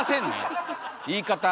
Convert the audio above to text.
言い方！